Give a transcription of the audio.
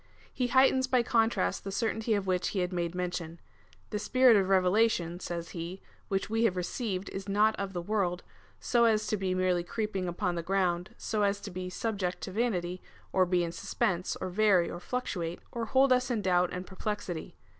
He heightens by contrast the certainty of which he had made mention. " The S]3irit of revelation," says he, " which we have received, is not of the world, so as to be merely creep ing upon the ground, so as to be subject to vanity, or be in suspense, or vary or fluctuate, or hold us in doubt and per plexity.